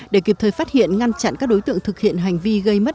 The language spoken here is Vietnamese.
để kịp thời phát hiện ngăn chặn các đối tượng thực hiện hành vi gây mất